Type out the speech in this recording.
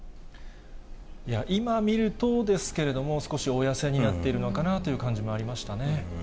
今見るとですけれども、少しお痩せになっているのかなという感じもありましたね。